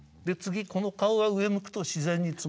次この顔が上向くと自然に。